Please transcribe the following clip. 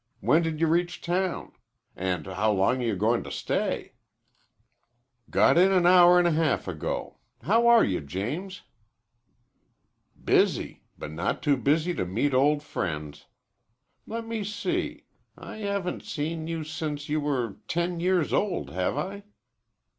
When did you reach town? And how long are you going to stay?" "Got in hour an' a half ago. How are you, James?" "Busy, but not too busy to meet old friends. Let me see. I haven't seen you since you were ten years old, have I?"